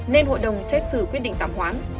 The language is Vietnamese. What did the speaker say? nên hội đồng xét xử quyết định tạm hoán